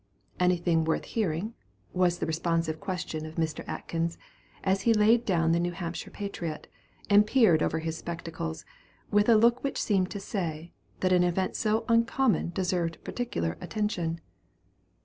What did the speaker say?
"Any thing worth hearing?" was the responsive question of Mr. Atkins; and he laid down the New Hampshire Patriot, and peered over his spectacles, with a look which seemed to say, that an event so uncommon deserved particular attention.